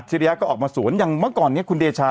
ริยะก็ออกมาสวนอย่างเมื่อก่อนนี้คุณเดชา